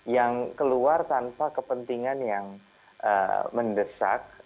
yang keluar tanpa kepentingan yang mendesak